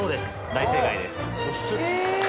大正解です。